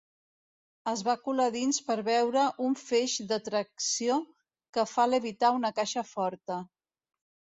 Es va colar dins per veure un feix de tracció que fa levitar una caixa forta.